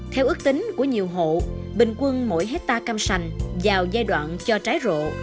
theo ước tính của nhiều hộ bình quân mỗi hectare cam sành vào giai đoạn cho trái rộ